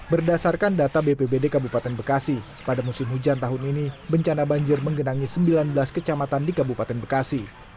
berdasarkan data bpbd kabupaten bekasi pada musim hujan tahun ini bencana banjir menggenangi sembilan belas kecamatan di kabupaten bekasi